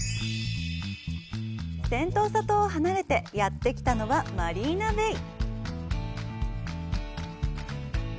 セントーサ島を離れて、やってきたのはマリーナベイ。